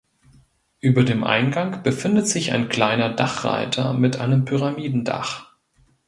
Über dem Eingang befindet sich ein kleiner Dachreiter mit einem Pyramidendach.